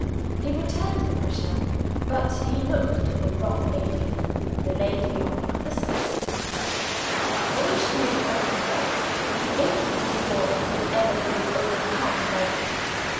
He returned the pressure but he looked at the wrong lady the lady on the other side. Although she made no complaint, he instantly saw that Emily was overcome by the heat.